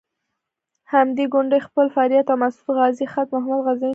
همدې کونډې خپل فریاد او د مسعود غازي خط محمود غزنوي ته راوړی.